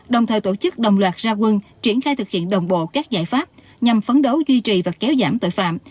đồng thời tổ chức đồng loạt ra quân triển khai thực hiện đồng bộ các giải pháp nhằm phấn đấu duy trì và kéo giảm tội phạm